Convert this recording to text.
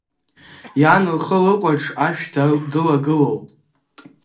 Иан лхы лыкәаҽ ашә дылагылоуп!